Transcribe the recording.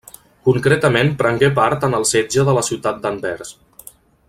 Concretament prengué part en el setge de la ciutat d'Anvers.